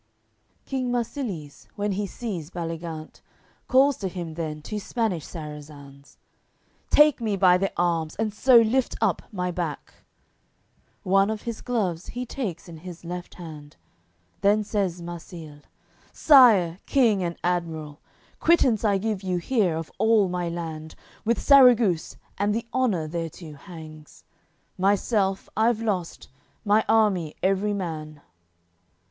AOI. CCII King Marsilies, when he sees Baligant, Calls to him then two Spanish Sarazands: "Take me by the arms, and so lift up my back." One of his gloves he takes in his left hand; Then says Marsile: "Sire, king and admiral, Quittance I give you here of all my land, With Sarraguce, and the honour thereto hangs. Myself I've lost; my army, every man."